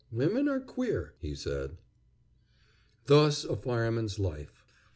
"Women are queer," he said. Thus a fireman's life.